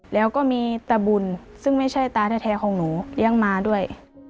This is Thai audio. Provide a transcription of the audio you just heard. แล้วก็มีตะบุญซึ่งไม่ใช่ตาแท้ของหนูยังมาด้วย